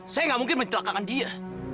saya nggak mungkin mencelakangan dia